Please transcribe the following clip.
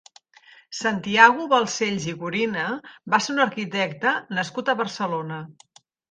Santiago Balcells i Gorina va ser un arquitecte nascut a Barcelona.